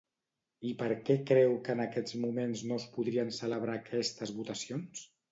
I per què creu que en aquests moments no es podrien celebrar aquestes votacions?